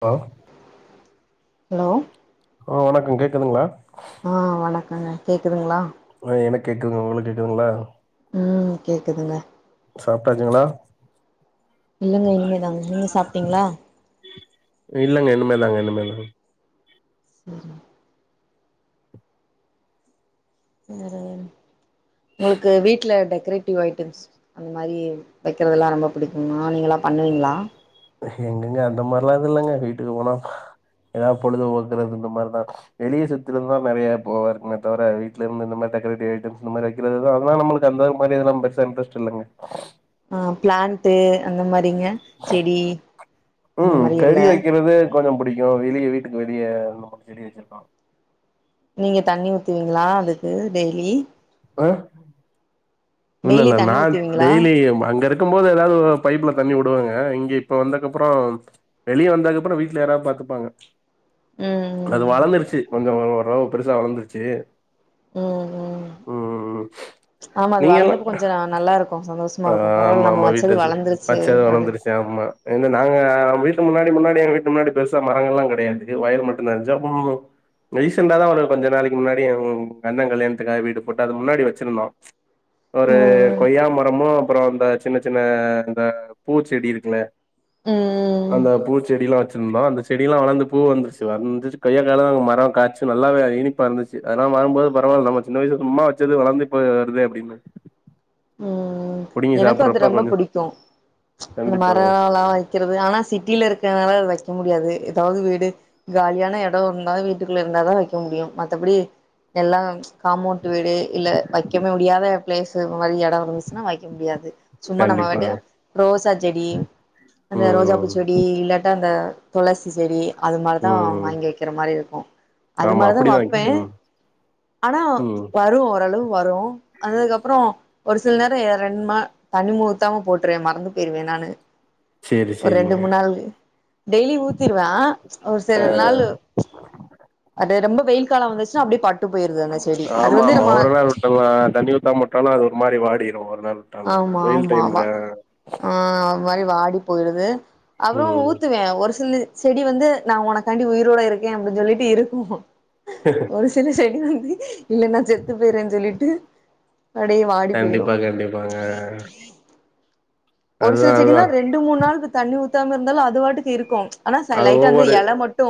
அ hello hello வணக்கம் கேக்குதுங்ளா அ வணக்கங்க கேக்குதுங்ளா அ எனக் கேக்குதுங் உங்களுக்கு கேக்குதுங்ளா ம் கேக்குதுங்க சாப்டாச்சுங்ளா இல்லங்க இனிமே தாங்க நீங்க சாப்டீங்ளா இல்லங்க இனிமேதாங்க இனிமேதாங்க சரி வேற உங்குளுக்கு வீட்ல டெக்கரேட்டிவ் ஐட்டம்ஸ் அந்தமாரி வெக்கறதல்லா ரொம்ப புடிக்குமா நீங்களா பண்ணுவீங்ளா எங்கங்க அந்த மார்லா எதுல்லங்க வீட்டுக்கு போனா எதாவ் பொழுத போக்குறது இந்த மார்தா வெளிய சுத்துறதா நெறைய போவாங்க தவிர வீட்லருந்து இந்த மாரி டெக்கரேட்டிவ் ஐட்டம்ஸ் இந்த மாரி இத அதுனால நம்மளுக்கு அந்த மாரி இதுலாம் பெருசா இன்ட்ரஸ்ட் இல்லங்க ஆ ப்ளாண்ட்டு அந்த மாரிங்க செடி அந்த மாரியில்ல கொஞ்ச புடிக்கும் வெளிய வீட்டுக்கு வெளிய இந்தமார் செடி வெச்சிருப்பாங்க நீங்க தண்ணி ஊத்துவீங்ளா அதுக்கு டெய்லி அ டெய்லி இல்லல்ல நா தண்ணி ஊத்துவீங்களா டெய்லி அங்கருக் க்கு போது ஏதாவுது பைப்ல தண்ணி உடுவங்க இங்க இப்ப வந்தக்கப்பற வெளிய வந்ததகப்பறம் வீட்ல யாராவுது பாத்துப்பாங்க ம் அது ம் வளந்துருச்சி கொஞ்ச ஓர் ஓரளவு பெருசா வளந்துருச்சி ம் ம் ஆமா அது நீங்க எல்லா வளர்ந்தப்ப கொஞ்ச நல்லாருக்கு சந்தோஷ் ஆ மறக்கு பரவால்ல ஆமா நம்ம ஆமா வச்சது வீட்டு வளர்ந்துருச்சு பச்சது அப்டின் வளந்துருச்சு ஆமா இந்த நாங்க வீட்டு முன்னாடி முன்னாடி எங்க வீட்டு முன்னாடி பெருசா மரங்கள்ளா கெடையாது எ வயிறு மட்டும் நெறஞ்சா ம் ரீசண்டாதா ஒரு கொஞ்ச நாளக்கி முன்னாடி ம் எங்கண்ண கல்யாணத்துக்காக வீடு போட்டு அது முன்னாடி வெச்சிருந்தோ ஒரு ம் ம் கொய்யா மரமு அப்பறோ அந்த சின்ன சின்ன இந்த பூசெடி இருக்குல ம் அந்த பூச் செடியெலா வச்சிருந்தோ அந்த செடியெல்லா வளந்து பூ வந்துருச்சு வந்து கொய்யாகாலா மரோ காச்சு நல்லாவே இனிப்பா இருந்துச்சு அதலா வரும்போது பராவல்ல நம்ம சின்ன வயசுக்கு சும்மா வச்சது வளர்ந்து இப்ப வருதே அப்டின்னு ம் புடுங்கி எனக்கு அது சாப்புட்றப்ப ரொம்ப கொஞ்சோ புடிக்கு அந்த கண்டிப்பாங்க மரல்லா வைக்கிறது ஆனா சிட்டிலா இருக்கனால அது வைக்க முடியாது எதாவது வீடு காலியான எடோ இருந்தாலு வீட்டுக்குள்ள இருந்தா தா வைக்க முடியு மத்தபடி எல்லா காமோன்ட்டு வீடு இல்ல வைக்கவ முடியாத பிளேஸு இந் மாரி எடோ இருந்துச்சுன்னா வ க்க முடியாது சும்மா நம்ம வாட்டு கண்டிப்பாங்க ரோசா செடி அந்த ரோஜா ம் பூச் செ டி இல்லாட்டா அந்த துளசி செடி அது மாரிதா ம் வாங்கி வைக்கிற மாரி இருக்கூ அது ஆமா மாரிதா அப்டிதா வப்பே ம் ஆனா ம் வரு ஓரளவு வரு அந்ததுக் அப்றோ ஒரு சில நேரோ ஏற ரெட் ம தண்ணி முழுத்தாம போட்ற மறந்து போயிருவே நானு சேரி ஒரு ரெண்டு சேரிங்க மூணு நாள் டெய்லி ஊத்திருவ ஒரு சில நாளு அது ரொம்ப வெயில் காலோ வந்துச்சுன்னா அப்டே பட்டு போயிருது அந்த செடி அது ஆமா வந்து ஆமா நம்ம ஒரு நாள் தண்ணி ஊத்தா உட்டாலு அது ஒரு மாதிரி வாடிரு ஒரு நாள் உட்டாலு ஆமா வெயில் ஆமா டைம்ல வா ஆ அது மாரி வாடி போயிடுது அப்றோ ம் ஊத்துவ ஒரு சில் செடி வந்து நா உனக்காண்டி உயிரோட இருக்கே அப்டி சொல்லிட்டு இருக்கும் [unintelligible] ஒரு சில செடி வந்து இல்லனா நா செத்து போயறேன்னு சொல்லிட்டு அப்டே வா கண்டிப்பா கண்டிப்பாங்க ஒரு சில அதுதா அதுதா செடிலா ரெண்டு மூண் நாளுக்கு தண்ணி ஊத்தாம இருந்தாலு அது வாட்டுக்கு இருக்கு ஆனா ச அது லைட்டா வந்து ஒவ்வொரு எல மட்டு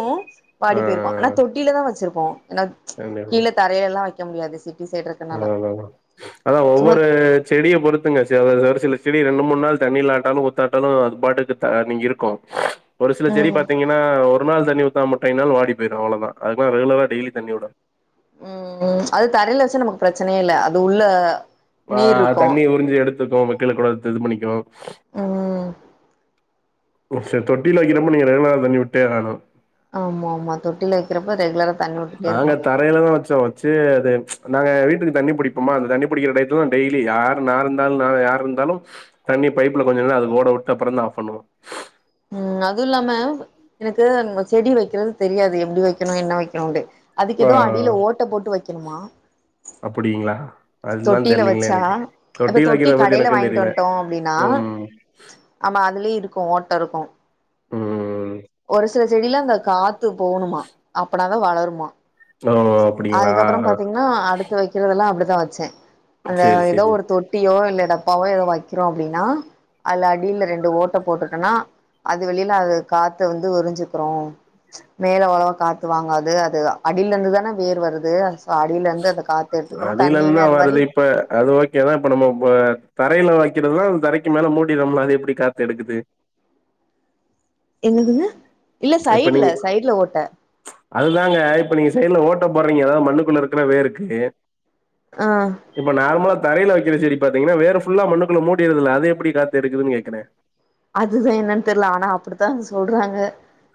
வாடி ஆ போய்ருக்கு ஆனா தொட்டிலதா வச்சிருப்போ ஏனா கண்டிப்பா கீழ தரையிலலா வைக்க முடியாது சிட்டி சைடு இருக்கனால அதா அதா அதா சும்மா ஒவ்வொரு செடிய பொறுத்துங்க ச ஒரு சில செடி ரெண்டு மூண் நாள் தண்ணி இல்லாட்டாலு குத்தாட்டாலு அது பாட்டுக்கு நீ இருக்கு [unintelligible] ஒரு சில செடி ம் பாத்தீங்கனா ஒரு நாள் தண்ணி ஊத்தாமவுட்டிங்கனாலு வாடி போய்ரு அவ்ளோதா அதுக்குலா ரெகுலரா டெய்லி தண்ணி உடனு ம் ம் அது தரையில வச்சா நமக்கு பிரச்சனையே இல்ல அது உள்ள ஆ நீர் இருக்கு தண்ணி உறிஞ்சு எடுத்துக்கோ [unintelligible] கூட இது பண்ணிக்கு ம் ம் சரி தொட்டில வைக்கிறப்ப நீங்க ரெகுலரா தண்ணிவிட்டே ஆகணு ஆமா ஆமா தொட்டில வைக்கிறப்ப ரெகுலரா தண்ணி விட்டுட்டே நாங்க இருக்கணு தா தரைலதா வச்சோ வச்சு அது நாங்க வீட்டுக்கு தண்ணி புடிப்பமா அந்த தண்ணி புடிக்கிற டயத்துல டெய்லி ஆ நா இருந்தாலு யார் இருந்தாலு தண்ணி பைப்ல கொஞ்ச நேர அது ஓட உட்டு அப்புறோ ஆஃப் பண்ணுவோ ம் அதுவு இல்லாம எனக்கு செடி வைக்கிறது தெரியாது எப்டி வைக்கணு என்ன வைக்கணுன்டு அதுக்கு எதூ ஆ அடியில ஓட்ட போட்டு வைக்கணுமா அப்பிடிங்களா தொட்டில வச்சா இப்ப தொட்டி வைக்கிறத பத்தி கடையில எனக்கு வாங்கிட்டு தெரியல வன்ட்டோ அப்டினா ம் ஆமா அதுலே இருக்கு ஓட்ட இருக்கு ம் ஒரு சில செடியிலா அந்த காத்து போணுமா அப்பனாதா வளருமா ஓ அப்டிங்களா அதுக்கப்பறோ பாத்தீங்னா அடுத்து வைக்கிறதெல்லா அப்டித்தா வச்சே அந்த சேரி ஏதோ சேரி ஒரு தொட் தொட்டியோ இல்ல டப்பாவோ எதோ வைக்கிறோ அப்டின்னா அதுல அடியில ரெண்டு ஓட்ட போட்டுட்டன்னா அது வெழிய அது காத்த வந்து உறிஞ்சுகிரு மேல வளவா காத்து வாங்காது அது அடியில இருந்துதா வேர் வருது சோ அடியில இருந்து அத காத்து எடுத்துக்கணு தண்ணியுமே அடியிலருந்துதா அது மாரி வருது இப்ப அது ஓகே தா இப்ப நம்ம தரையில வைக்கிறதுலா அ தரைக்கு மேல மூடி நம்மள அது எப்படி காத்து எடுக்குது எங்கக்குங்க இல்ல இப்ப சைடு்ல நீங்க சைடு்ல ஓட்ட அதுதாங்க இப்ப நீங்க சைட்ல ஓட்ட போறீங்க ஏதாவது மண்ணுக்குள்ள இருக்குற வேருக்கு ஆ இப்ப நார்மலா தரையில வைக்கிற சரி பாத்தீங்கன்னா வேரு ஃபுல்லா மண்ணு குள்ள மூடியர்துல்ல அத எப்படி காத்து இருக்குதுன்னு கேக்குறே அதுதா என்னன்னு தெரியல ஆனா அப்படித்தா சொல்றாங்க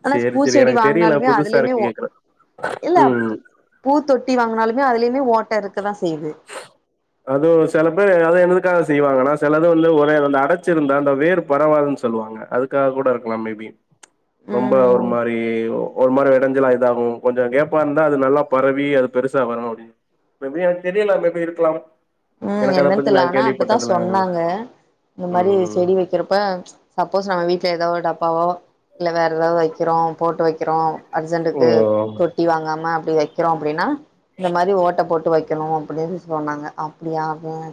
ஆனா சேரி பூ சேரி செடி எனக்கு தெரியல வாங்கினாலுமே புதுசா அதுலயுமே இருக்கு கேக்குறே இல்ல ம் பூ தொட்டி வாங்குனாலுமே அதுலயுமே ஓட்டஇருக்குதா செய்யுது அதுவும் சில பேர் அது என்னதுக்காக செய்வாங்கன்னா சிலது வந்து ஒரே அந்த அடைச்சிருந்தா அந்த வேறு படவாதுன்னு சொல்லுவாங்க அதுக்காக கூட இருக்கலா மேபி ரொம்ப ஒரு ம் மாதிரி ஒரு மாதிரி விடைஞ்சலா இதாகு கொஞ்ச கேப்பா இருந்தா அது நல்லா பரவி அது பெருசா வரணு தெரியலா மேபி இருக்கலா ம் என்னன்னு தெரல ஆனா அப்பத்தா சொன்னாங்க இந்த ம் மாதிரி ம். செடி வைக்கிறப்ப சப்போஸ் நம்ம வீட்டில் ஏதாவோ டப்பாவோ இல்லை வேறு ஏதாவது வைக்கிறோ போட்டு வைக்கிறோ ஓ! அர்ஜென்டுக்கு தொட்டி வாங்காம அப்படி வைக்க க்கிறோ அப்படின்னா இந்த மாதிரி ஓட்டை போட்டு வைக்கணு அப்படின்னு சொன்னாங்க அப்படியா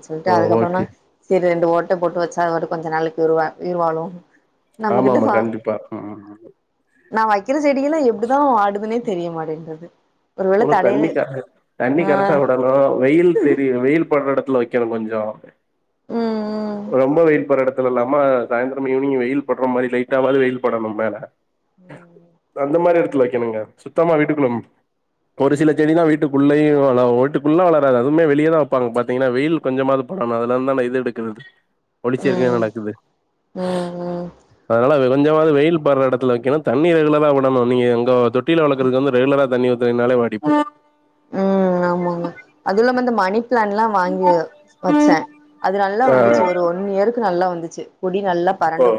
சொல்லிட்டு ஓ! அதுக்கப்புற தா ஓகே. சரி ரெண்டு ஓட்டை போட்டு வச்சா அதைட்டு கொஞ்ச நாளைக்கு உயர்வழு ஆமா ஆமா கண்டிப்பா நான் வைக்கிற செடிகல்ல எப்படிதா வாடுதுனே தெரியமாட்டேன்றது உனு தண்ணி கர தண்ணி ஆ கரெக்டா விடணு வெயில் தெரிய வெயில் படுற இடத்துல கில கொஞ்சோ ம் ம் ரொம்ப வெயில் போடுற இடத்துல இல்லாம சாயந்திரம் ஈவினிங் வெயில் படுற மாதிரி லைட்ட ஆவது வெயில் படணும்ல அந்த மாதிரி இடத்துல வைக்கேணுங்க சுத்தமா வீட்டுக் ஒரு சில செடி தா வீட்டுக்குள்ளேயே வள வீட்டுக்குள்ளே வளராது அதுமே வெளியே தா வைப்பாங்க பா்த்தீங்கன்னா வெயில் கொஞ்சமாவது படணு அதுல இருந்து தானே இது எடுக்கிறது ஒளிச்ச இருக்குன்னு ம் நடக்குது ம் ம் ம் அதனால கொஞ்சமாவது வெயில் படுற இடத்து தண்ணி ரெகுலரா விடணு நீங்க எங்க தொட்டில வளர்க்கறக்கு வந்து ரெகுலரா தண்ணி ஊத்துனிகனாலே வாடி ம் ஆமாங்க அதுவு இல்லாம இந்த மணி பிளான் எல்லா வாங்கி வச்சே அது நல்லா ஆ, வந்துச்சு ஒரு ஒன்னு இயருக்கு நல்லா வந்துச்சு குடி நல்லா இப்போ பரண்டு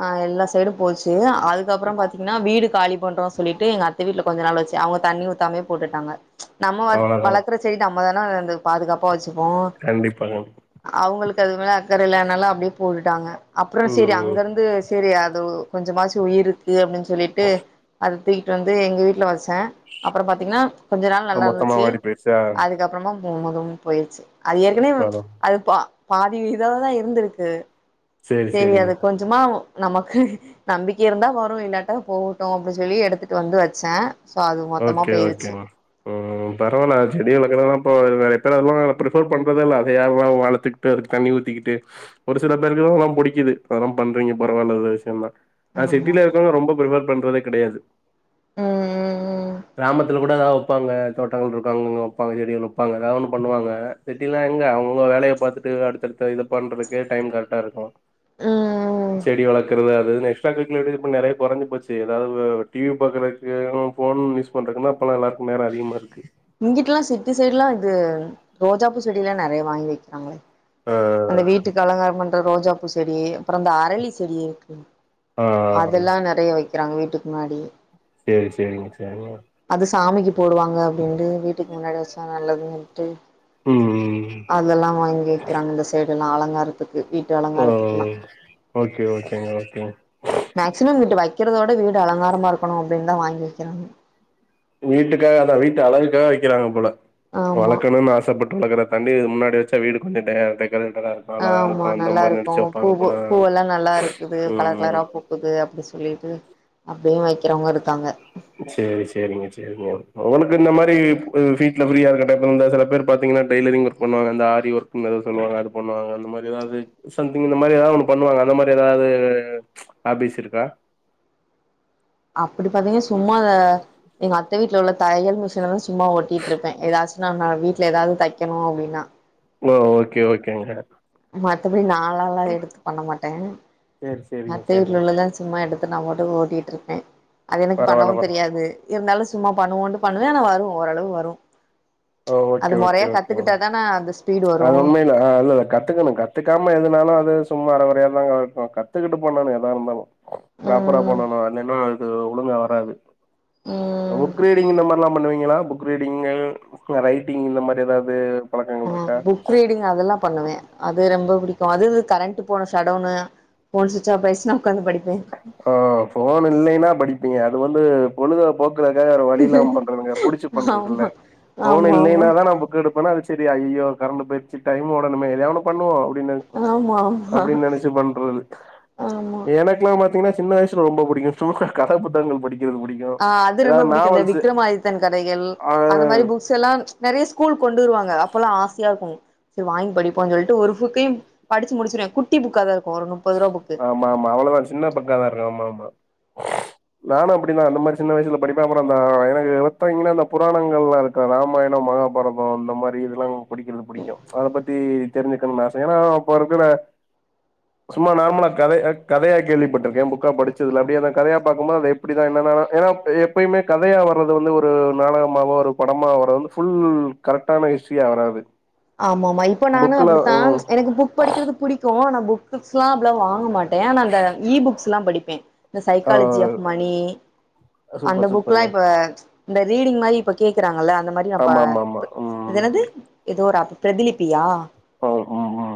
ஆ எல்லா சைடு போச்சு அதுக்கப்புற பாத்தீங்கன்னா வீடு காலி பண்றோ சொல்லிட்டு எங்க அத்தை வீட்ல கொஞ்ச நாள் வச்சு அவங்க தண்ணி ஊத்தாமே போட்டுட்டாங்க நம் அவ்வளவுதான் வளர்க்கற சரிட்டு நம்ம தானே அந்த பாதுகாப்பா வச்சுப்போ கண்டிப்பாக அவங்களுக்கு அது மேல அக்கறல இல்லனாலு அப்படியே போட்டுட்டாங்க அப்புற சரி ம், அங்க இருந்து சரி அது கொஞ்ச மாரி உயிருக்கு அப்படின்னு சொல்லிட்டு அது தூக்கிட்டு வந்து எங்க வீட்டுல வச்சே அப்றோ பாத்தீங்கன்னா கொஞ்ச நாள் ம். நல்லா மொத்தமா இருந்துச்சு வாடி போயிடுச்சா அதுக்கு அதுக்கு அப்புறமும் போயிடுச்சு அது ஏற்கனவே வரும் அது பாதி இதாவதா இருந்திருக்கு சரி சரிங்க தெரியாது அது கொஞ்சமா நமக்கு நம்பிக்கை இருந்தா வரும் இல்லாட்டா போகட்டு அப்படின்னு சொல்லி எடுத்துட்டு வந்து வச்சே சோ அது மொத்தமா ஓகே, போயிருச்சு ஓகேங்க. ம் பரவால செடி வளக்றதல்லா இப்போ நறைய பேர் வருவாங்க நா ப்ரிஃபேர் பண்றதே இல்ல அத யார்ல்லா வளத்துக்ட்டு அதுக் தண்ணி ஊத்திக்கிட்டு ஒரு சில பேருக்குதா அதல்லா புடிக்கிது அதல்லா பண்றீங்க பரவால்ல நல்ல விஷ்யந்தா அ ஆமா சிட்டில இருக்குரவ்ங்க ரொம்ப ப்ரிப்பேர் பண்றதே கடையாது ம் ம் ம் கிராமத்துல கூட எதா வப்பாங்க தோட்டங்கள்ருக்கு அங்கங்இது வப்பாங்க செடிகள் வப்பாங்க எதா ஒன்னு பண்ணுவாங்க சிட்டிலா எங்க அவ்ங் அவ்ங்க வேலய பாத்துட்டு அடுத்தடுத்த இது பண்றதுக்கே டைம் கரக்டா இருக்கு ம் ம் ம் செடி வளக்குறது அது இதுன்னே [unintelligible] நறைய கொறஞ்ச்சி போச்சு எதாவ்து டிவி பாக்குறதுக்கு ஃபோன் யூஸ் பண்றக்குன்னா இப்பல்லா எல்லர்க்கு நேர அதிகமாருக்கு இங்கிட்டல்லா சிட்டி சைடுல்லா இது ரோஜாப்பூ செடி எல்லா நெறைய வாங்கி வக்கிறாங்ளே அந்த ஆ. வீட்டுக்கு அலங்கார பண்ற ரோஜாப்பூ செடி அப்புற இந்த அரளி செடி ஆ அதல்லா நறைய வக்கிறாங்க வீட்டுக் முன்னாடி சேரி சேரிங்க சரிங்க அது சாமிக்கு போடுவாங்க அப்டின்ட்டு வீட்டுக்கு முன்னாடி வச்சா நல்லதுன்ட்டு ம் ம் அதல்லா வாங்கி வக்கிறாங்க இந்த சைடுல்லா அலங்காரத்துக்கு வீட்டு ஆ அலங்காரத்துக்குல்லா ஓகே ஓகேங்க ஓகேங்க மேக்சிமம் வீட்டு வைக்கிறதோட வீடு அலங்காரமா இருக்கணு அப்டின்தா வாங்கி வக்கிறாங்க வீட்டுக்காக அதா வீட்டு அழகுக்காக வக்கிறாங்க போல ஆமா வளக்கணுன் ஆசப்பட் வளக்குற தாண்டி முன்னாடி வச்சா வீடு கொஞ்ச டே டெக்கரேட்டறா ஆமா நல்லாருக்கு பூவு பூவல்லா நல்லாருக்குது ம் கலர் கலரா ம் பூக் குது அப்டி சொல்லிட்டு அப்டியு வக்கிறவுங்க இருக்காங்க சேரி சேரிங்க சேரிங்க ஒனக்கு இந்த மாரி வீட்ல ஃப்ரீயா இருக்க டைப்பு இருத செல பேரு பாத்தீங்கன்னா டெய்லரிங் ஒர்க் பண்ணுவாங்க அந்த ஆரி ஒர்க்ன் எதோ சொல்லுவாங்க அது பண்ணுவாங்க அந்த மாரி எதாவ்து சம்திங் இந்த மாரி எதாது ஒன்று பண்ணுவாங்க அந்த மாரி எதாவ்து ஹாபீஸ் இருக்கா அப்புடி பாத்தீங்கனா சும்மாத எங்க அத்த வீட்ல உள்ள தையல் மிஷின வந்து சும்மா ஒட்டிட்ருப்பே எதாச் நா நா வீட்ல எதாது தக்கணு அப்டின்னா ஓ ஓகே ஓகேங்க மத்தப்புடி நாளாளா எடுத்து பண்ண மாட்டே சேரி சேரிங்க அத்த சேரிங்க வீட்ல சார் உள்ளதா சும்மா எடுத்து நா பாட்டுக்கு ஓட்டிட்ருப்பே அது எனக்கு பரவால்ல பண்ணவு பர தெரியாது இருந்தாலு சும்மா பண்ணுவோன்ட்டு பண்ணுவே ஆனா வரு ஓரளவு வரு ஓ அது ஓகே ஓகே மொறையா கத்துக்கிட்டாதானா அந்த ஸ்பீடு வரு அ இல்ல இல்ல கத்துக்கணு கத்துக்காம எதுனாலு அது சும்மா அர கொறயா தாங்க [unintelligible] கத்துக்கிட்டு பண்ணனு எதா இருந்தாலு பராப்பரா ம் பண்ணனு அன்னேன்னு இது ஒழுங்கா வராது ம் ஃபுக் ரீடிங் ம் இந்த மார்லா பண்ணுவீங்களா ஃபுக் ரீடிங் ரைட்டிங் இந்த மரி எதாது அ ஃபுக் ரீடிங் அதெல்லா பண்ணுவே அது ரொம்ப புடிக்கு அது கரண்ட்டு போன ஷடவுன்னு ஃபோன் சுச் ஆப் ஆயுச்சுனா உக்காந்து படிப்பே அ ஃபோன் இல்லைனா படிப்பீங்க அது வந்து பொழுத போக் க்குறத்க்காக வேற வழி இல்ல பண்றதுங்க புடிச்சு ஆமா பண்றதுல்ல ஃபோன் ஆமா ஆமா இல்லைன்னா தா நா ஃபுக் எடுப்பேன்னா அதுக் திடி ஐயோ கரண்டு போயிருச்சு டைம் உடனும்மே எதயாவ் ஒன்னு பண்ணுவோ அப்டின்னு ஆமா ஆமா அப்டின் நெனச்சு பண்றது ஆமா எனக் க்லா பாத்தீங்கன்னா சின்ன வய்சுல ரொம்ப புடிக்கு சும்மா கத புத்தகங்கள் படிக்கிறது புடிக் ஆ அது ரொம்ப புடிக்கு இந்த விக்ரம் ஆதித்தன் கதைகள் ஆ அந்த மாரி பூ சல்லா நறைய ஸ்கூல் கொண்டு வருவாங்க அப்பல்லா ஆஸ்யா இருக்கு சரி வாங்கி படிப்போ சொல்ட்டு ஒரு ஃபுக்கயு படிச்சு முடிச்சிருவே குட்டி ஃபுக்கா தா இருக்கு ஒரு நுப்பதுருவா ஃபுக்கு மாம் அவளதா சின்ன பக்காதா இருக்கு ஆம் ஆமா நானும் அப்டிதா அந்த மாரி சின்ன வயசுல படிப்பே அப்புற அந்தா எனக்கு [unintelligible] அந்த புராணங்கள்லாருக் ராமாயணம் மகாபாரதம் அந்த மாரி இதெல்லா படிக்கிறது புடிக்கு புடிக்கும் அத பத்தி தெரிஞ்சுக்கணும்னு ஆச ஏன்னா அப்பருக்குற சும்மா நா சும்மா கத கதையா கேள்விப்பட்டிருக்கே புக்கா படிச்சதுல்ல அப்படி அந்த கதையா பாக்கும்போது அது எப்படிதா என்னனா ஏனா எப்போயுமே கதையா வர்றது வந்து ஒரு நாடகமாவோ ஒரு படமாக வர்றது வந்து ஃபுல் கரெக்டான ஹிஸ்ட்ரியா வராது ஆமாமா இப்ப நானு புக்ல அப்படித்தா ம் எனக்கு புக் படிக்கிறது புடிக்கும் ஆனா புக் புக்ஸ்ல்லா அப்பல்லா வாங்க மாட்டே ஆனா அந்த ஈ புக்ஸ்ல்லா படிப்பே இந்த ஆ சைக்காலேஜி ஆஃப் மணி அந்த சூப்பர் புக்ல்லா சூப்பருங்க இப்ப இந்த ரீடிங் மாரி இப்ப கேக்குறாங்கல்ல அந்த மாரி அப்ப ஆமா ஆமா ஆமா அது ம் என்னது ஏதோ ஒரு ஆப் பிரதிலிபியா ஓ ஹூம் ஹூம்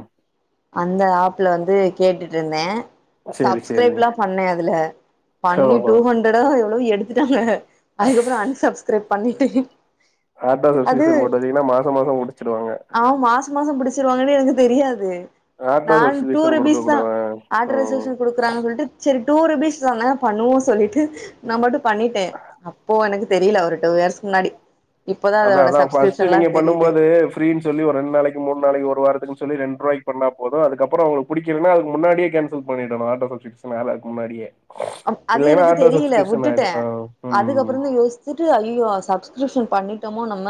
அந்த ஆப்ல வந்து கேட்டுட்டு இருந்தே சேரி சேரிங்க சப்ஸ்கிரைப்ல்லா பண்ணே அதுல ஓ பண்ணி ஓ டூ ஹண்ட்ரடா எவ்வளவோ எடுத்துட்டாங்க அதுக்கப்புற அன் சப்ஸ்கிரைப் பண்ணிட்டே ஆட்டப் சீசன் போட்டு வந்தீங்கனா மாசம் மாசம்புடிச்சுடுவாங்க ஆம் மாச மாச புடிச்சிருவாங்கனு எனக்கு தெரியாது ஆட்டோ நாள் டூ சப்ஸ்கிரிப்ஷன் குடுக்க ருபீஸ் தா கூடாது ம் ஆட்ரசஸ் கொடுக்குறாங்க சொல்ட்டு சரி டூ ருபீஸ் தானே பண்ணுவோ சொல்லிட்டு நா பாட்டு பண்ணிட்டே அப்போ எனக்கு தெரியல ஒரு டூ இயர்ஸ்கு முன்னாடி இப்பதா அத அதோட அதா பஸ்ட் சப்ஸ்கிரிப்ஷன்லா நீங்க பண்ணும் தெரியுது போது ப்ரினு சொல்லி ஒரு ரெண் நாளக்கி மூன் நாளக்கி ஒரு வாரத்துக்குனு சொல்லி ரெண் ரூபாய்க் பண்ணா போது அதுக்கப்புற அவுங்க புடிக்கலனா அதுக்கு முன்னாடியே கேன்சல் பண்ணிடனும் ஆட்டோ சப் பிக்ஸ்னால அதுக்கு முன்னாடியே அது இல்லைன்னா எனக்கு ஆட்டோ தெரியல சப்ஸ்கிரிப்ஷன் ஆயிடு விட்டுட்டே ஆ அதுக்கப்புற ம் தா யோசி விட்டு ஐயயோ சப்ஸ்கிரிப்ஷன் பண்ணி என்னமோ நம்ம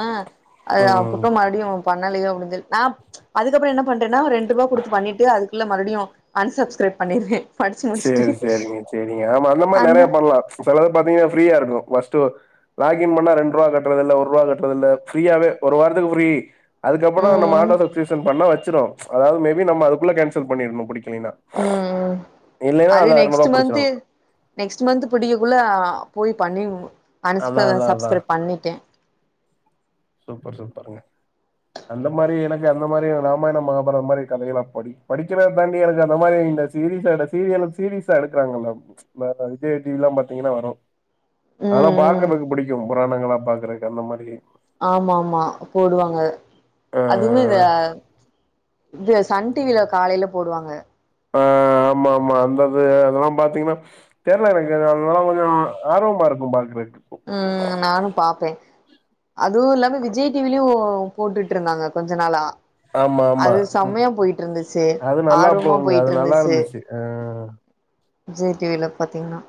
அ ம் புக்க மறுபடியு பண்ணலோயோ அப்டினு சொல் நா அதுக்கப்புற என்ன பண்றேனா ரெண் ரூபா குடுத்து பண்ணிட்டு அதுக்குள்ள மறுபடியு அன்சப்ஸ்கிரைப் பண்ணிடுவே படிச்சு முடிச்சுட்டு சரிங்க ஆமா அந்த மாரி நெறய பண்ணலா செலத பாத்தீங்கன்னா ஃப்ரீயா இருக்கும் பஸ்ட்டு லாகின் பண்ணா ரெண் ரூவா கட்றதில்ல ஒர் ரூவா கட்றதில்ல ஃப்ரியாவே ஒரு வாரத்துக்கு ஃப்ரீ அதுக்கப்புற நம்ம ம் ஆட்டோ சப்ஷ்கிரிப்ஷன் பண்ண வச்சிரு அதாவது மேபி நம்ம அதுக்குள்ளே கேன்சல் பண்ணிருனு புடிக்கலனா ம் ம் அது நெக்ஸ்ட் புடிச்சிரு மன்ந்து நெக்ஸ்ட் மந்த் புடிக்ககுள்ள போய் பண்ணி அன் அதா அதா அதா சப்ஸ்கிரைப் பண்ணிட்டே சூப்பர் சூப்பருங்க அந்த மாரி எனக்கு அந்த மாரி ராமாயணம் மகாபாரதம் மாரி கதையெல்லா படி படிக்கிற தாண்டி எனக்கு அந்த மாரி இந்த சீரிஸ் சீரியல சீரிஸா எடுக்கறாங்கல இப்ப விஜய் டிவில்லா பாத்தீங்கனா வரும் ம் அதெல்லா ம் பாக்குறக்கு புடிக்கும் புராணங்களா பாக்குறக்கு அந்த மாரி ஆமாமா போடுவாங்க ஆ அதுமே இதா இது சன் டிவில காலயில போடுவாங்க ஆ ஆமா ஆமா அந்தது அதெல்லா பாத்தீங்கனா தெர்ல எனக்கு அதல்லா கொஞ்ச ஆர்வமா இருக்கும் பாக்குறக்கு ம் நானு பாப்பே அதுவு இல்லாம விஜய் டிவிலயு போட்டுட்டு இருந்தாங்க கொஞ்ச நாளா ஆமா, ஆமா. அது ம். செம்மயா போயிட்டு இருந்துச்சு அது நல்லா ஆர்வமா போகுங்க. போயிட்டு அது நல்லா இருந்துச்சு ஆ விஜய் டிவில பாத்திங்கனா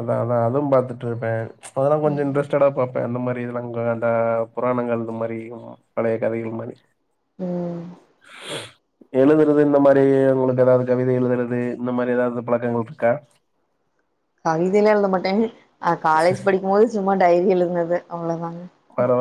அதா அதா அதும் பாத்துட்டு இருப்பே அதலா கொஞ்ச இன்ட்ரஸ்ட்டடா பாப் அந்த மாரி இதெலா கேட்டா புராணங்கள் இந்த மாரி பழய கதைகள் மாரி ம் எழுதுறது இந்த மாரி உங்களுக்கு ஏதாவது கவிதை எழுதுறது இந்த மாரி ஏதாவது பழக்கங்கள் இருக்கா கவிதையில எழுதமாட்டேங் ஆன காலேஜ் படிக்கும்போது சும்மா டைரி எழுதுனதுத அவ்ளோதாங்க பரோ